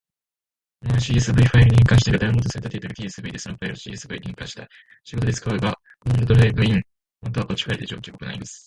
Q.tsv ファイルを csv ファイルに変換したいダウンロードされたデータが tsv で、そのファイルを csv に変換したいです。仕事で使うのですが、コマンドラインまたはバッチファイルで上記を行...